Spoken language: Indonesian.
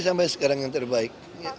sampai sekarang yang terbaik